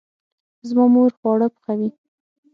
زما مور خواړه پخوي